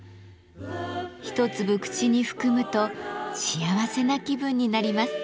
一粒口に含むと幸せな気分になります。